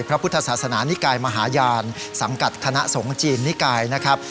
พระพุทธศาสนานิกายมหาญาณสังกัดคณะสงฆ์จีนนิกายนะครับ